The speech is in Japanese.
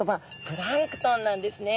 プランクトンなんですね。